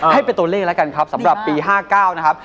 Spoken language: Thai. ให้เป็นตัวเลขแล้วกันครับสำหรับปี๕๙นะครับ